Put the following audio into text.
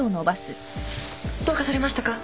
どうかされましたか？